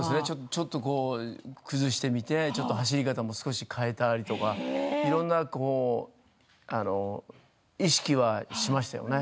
少し崩してみて走り方も変えたりとかいろんな意識はしましたよね。